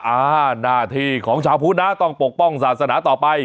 หน้าที่ของชาวพุทธนะต้องปกป้องศาสนาต่อไป